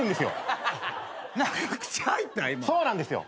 そうなんですよ。